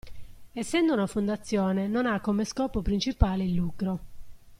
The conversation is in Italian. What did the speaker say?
Essendo una fondazione non ha come scopo principale il lucro.